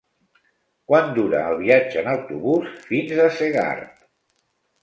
Quant dura el viatge en autobús fins a Segart?